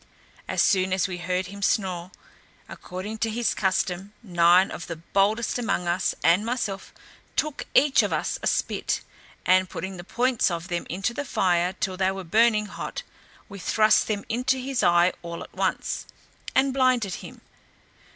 As soon as we heard him snore, according to his custom, nine of the boldest among us, and myself, took each of us a spit, and putting the points of them into the fire till they were burning hot, we thrust them into his eye all at once, and blinded him.